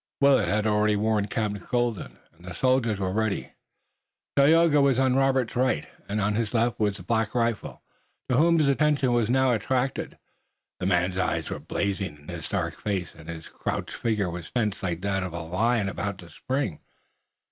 Willet had already warned Captain Colden, and the soldiers were ready. Tayoga was on Robert's right, and on his left was Black Rifle to whom his attention was now attracted. The man's eyes were blazing in his dark face, and his crouched figure was tense like that of a lion about to spring.